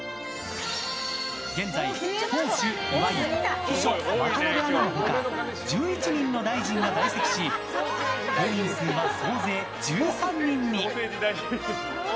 現在、党首・岩井秘書・渡邊アナの他１１人の大臣が在籍し党員数は総勢１３人に。